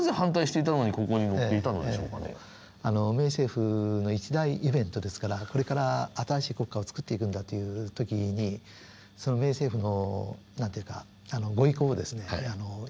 明治政府の一大イベントですからこれから新しい国家をつくっていくんだという時にその明治政府の何と言うかご意向をですね